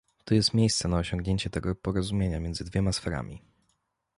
Tu jest miejsce na osiągnięcie tego porozumienia między dwiema sferami